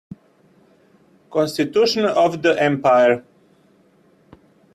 Constitution of the empire.